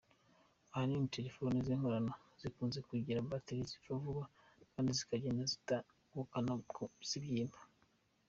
Ahanini telefoni z’inkorano zikunze kugira batiri zipfa vuba kandi zikagenda zita ubukana zibyimba.